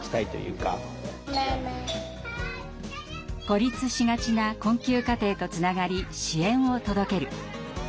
孤立しがちな困窮家庭とつながり支援を届ける。